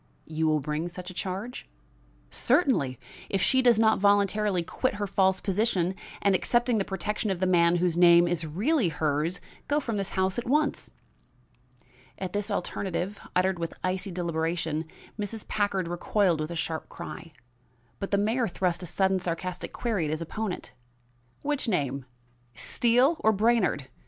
"You will bring such a charge?" "Certainly, if she does not voluntarily quit her false position, and, accepting the protection of the man whose name is really hers, go from this house at once." At this alternative, uttered with icy deliberation, Mrs. Packard recoiled with a sharp cry; but the mayor thrust a sudden sarcastic query at his opponent: "Which name? Steele or Brainard?